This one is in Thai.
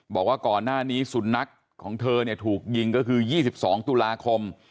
บอกว่าก่อนหน้านี้สุนัขของเธอถูกยิงก็คือ๒๒ตุลาคม